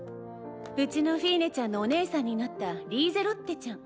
うちのフィーネちゃんのお姉さんになったリーゼロッテちゃん。